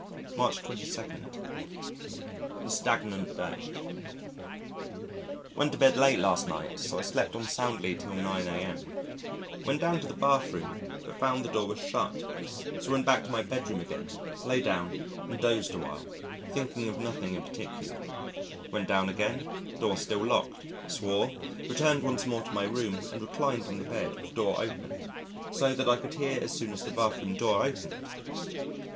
March 22. A Stagnant Day Went to bed late last night so I slept on soundly till 9 a.m. Went down to the bath room, but found the door was shut, so went back to my bedroom again, lay down and dosed a while, thinking of nothing in particular. Went down again door still locked swore returned once more to my room and reclined on the bed, with door open, so that I could hear as soon as the bath room door opened....